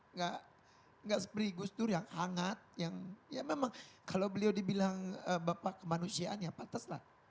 nggak seperti gus dur yang hangat yang ya memang kalau beliau dibilang bapak kemanusiaan ya patahlah